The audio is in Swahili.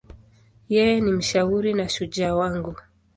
Yeye ni mshauri na shujaa wangu.